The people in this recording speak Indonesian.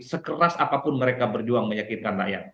sekeras apapun mereka berjuang menyakinkan rakyat